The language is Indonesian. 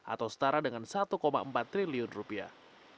atau setara dengan satu empat triliun rupiah